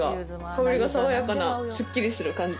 香りが爽やかなすっきりする感じ。